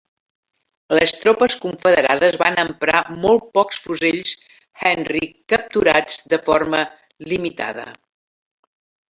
Les tropes confederades van emprar molt pocs fusells Henry capturats de forma limitada.